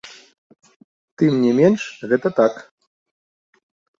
Тым не менш, гэта так.